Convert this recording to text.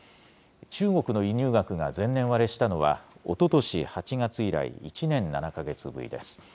中国の輸入額が前年割れしたのは、おととし８月以来、１年７か月ぶりです。